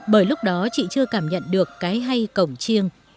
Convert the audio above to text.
bởi lúc đó chị chưa cảm nhận được cái hay cổng chiêng